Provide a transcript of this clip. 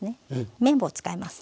麺棒使います。